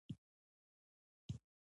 افسانې یو څه تاریخي رنګ اخلي.